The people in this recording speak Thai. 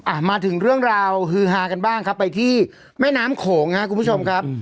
มาถึงเรื่องราวฮือฮากันบ้างครับไปที่แม่น้ำโขงครับคุณผู้ชมครับ